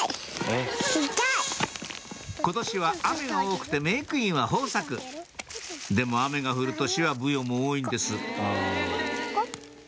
今年は雨が多くてメークインは豊作でも雨が降る年はブヨも多いんです